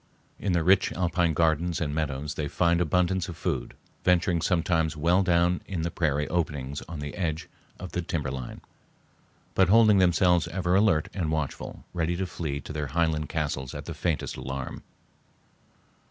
In the rich alpine gardens and meadows they find abundance of food, venturing sometimes well down in the prairie openings on the edge of the timberline, but holding themselves ever alert and watchful, ready to flee to their highland castles at the faintest alarm.